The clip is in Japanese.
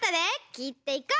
きっていこう。